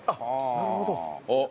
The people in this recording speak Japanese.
なるほど。